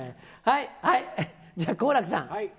じゃあ、好楽さん。